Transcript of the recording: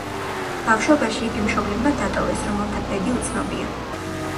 ბავშვობაში იგი მშობლებმა დატოვეს, რომელთა ბედი უცნობია.